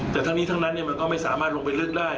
แต่ทั้งนี้ทั้งนั้นมันก็ไม่สามารถลงไปลึกได้